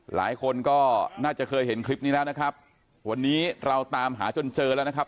หลายคนก็น่าจะเคยเห็นคลิปนี้แล้วนะครับวันนี้เราตามหาจนเจอแล้วนะครับ